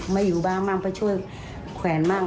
ไม่อยู่บ้านมากเพื่อช่วยแขวนมาก